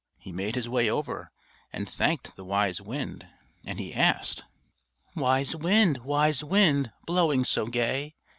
He made his way over, and thanked the wise wind; and he asked: "_Wise wind, wise wind, blowing so gay!